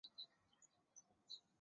沈弼男爵是一位英国企业家。